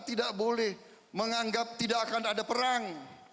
tidak boleh menganggap tidak akan ada perang